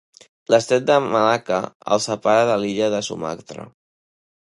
L'estret de Malacca el separa de l'illa de Sumatra.